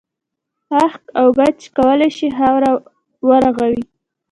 اهک او ګچ کولای شي خاوره و رغوي.